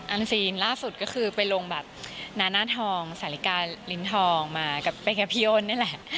อันซีนล่าสุดก็คือไปลงแบบนาหน้าทองสาลิกาลิ้นทองมาไปกับพี่โอนนี่แหละ